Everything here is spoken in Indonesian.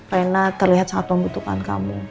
rena terlihat sangat membutuhkan kamu